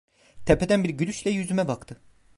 Tepeden bir gülüşle yüzüme baktı.